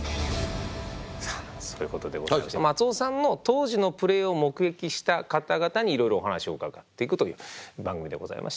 さあそういうことでございまして松尾さんの当時のプレーを目撃した方々にいろいろお話を伺っていくという番組でございまして。